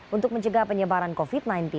untuk mencegah penyebaran covid sembilan belas